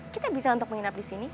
kita bisa untuk menginap di sini